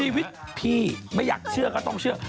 ชีวิตพี่ไม่อยากเชื่อก็ต้องเชื่อ